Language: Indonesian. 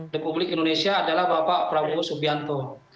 republik indonesia adalah bapak prabowo subianto